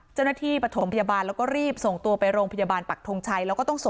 เจ้าหน้าที่ประสงค์พยาบาลหรือส่งตัวไปโรงพยาบาลปักทงชัย